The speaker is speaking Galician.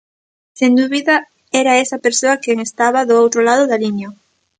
Sen dúbida, era esa persoa quen estaba do outro lado da liña.